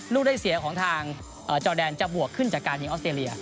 ลูกได้เสียของทางจอแดนจะบวกขึ้นจากการยิงออสเตรเลีย